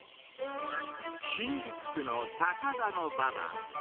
新宿区の高田馬場。